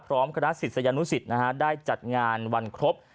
คณะศิษยานุสิตได้จัดงานวันครบ